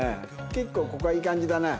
結構ここはいい感じだね。